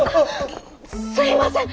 すみません。